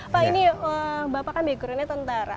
pak ini bapak kan backgroundnya tentara